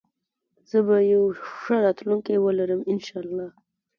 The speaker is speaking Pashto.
زه به يو ښه راتلونکي ولرم انشاالله